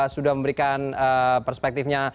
sudah memberikan perspektifnya